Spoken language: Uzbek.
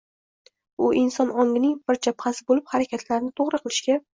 U inson ongining bir jabhasi bo‘lib, harakatlarni to‘g‘ri qilishga